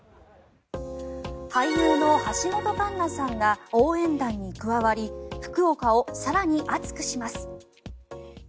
俳優の橋本環奈さんが応援団に加わり福岡を更に熱くします。